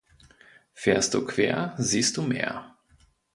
Fährst Du quer, siehst Du mehr.